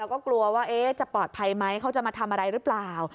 ก็กลัวว่าจะปลอดภัยไหมเขาจะมาทำอะไรหรือเปล่า